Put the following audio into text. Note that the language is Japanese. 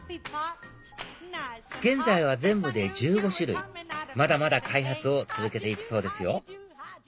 現在は全部で１５種類まだまだ開発を続けて行くそうですよ